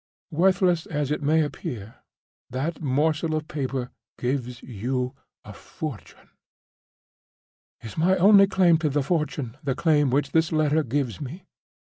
Worthless as it may appear, that morsel of paper gives you a fortune." "Is my only claim to the fortune the claim which this letter gives me?"